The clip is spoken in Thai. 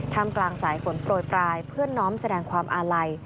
กลางสายฝนโปรยปลายเพื่อน้อมแสดงความอาลัย